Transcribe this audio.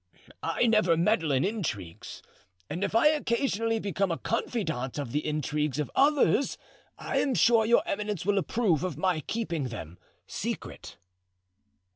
I never meddle in intrigues, and if I occasionally become a confidant of the intrigues of others I am sure your eminence will approve of my keeping them secret."